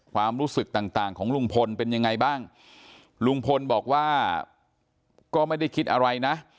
ความรู้สึกต่างต่างของลุงพลเป็นยังไงบ้างลุงพลบอกว่าก็ไม่ได้คิดอะไรนะ